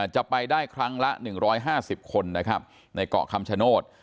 จะไปได้ครั้งละหนึ่งร้อยห้าสิบคนนะครับในเกาะคำชโนธ